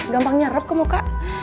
supaya dia bisa putra muka